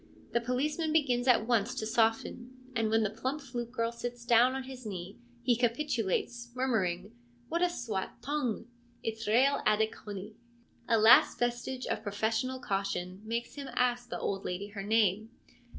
The policeman begins at once to soften, and when the plump flute girl sits down on his knee he capitulates, murmuring, ' What a swaat toong : it's reaal Attic hooney !' A last vestige of professional caution makes him ask the old lady her name.